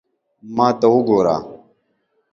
ما ته وګوره